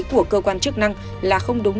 của cơ quan chức năng là không đúng